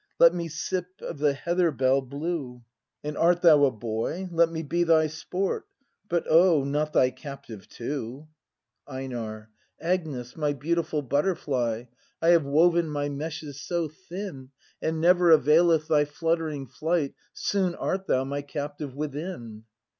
Let me sip of the heather bell blue, And art thou a boy, let me be thy sport, But oh! not thy captive too! ^CT I] BRAND 29 EiNAR. Agnes, my beautiful butterfly, I have woven my meshes so thin. And never availeth thy fluttering flight. Soon art thou my captive within.